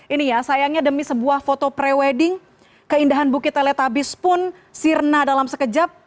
ini ya sayangnya demi sebuah foto pre wedding keindahan bukit teletabis pun sirna dalam sekejap